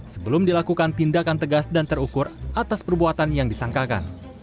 sebelum dilakukan tindakan tegas dan terukur atas perbuatan yang disangkakan